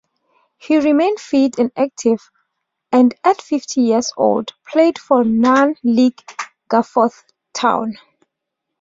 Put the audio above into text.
He remained fit and active, and at fifty years-old played for non-League Garforth Town.